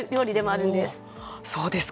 そうですか。